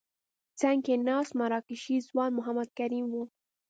څنګ کې ناست مراکشي ځوان محمد کریم وو.